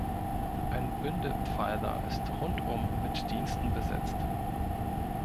Ein Bündelpfeiler ist rundum mit Diensten besetzt.